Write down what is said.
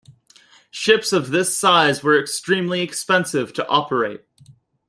Ships of this size were extremely expensive to operate.